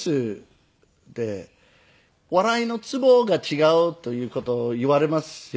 笑いのツボが違うという事をいわれますよね。